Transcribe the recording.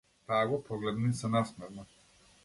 Таа го погледна и се насмевна.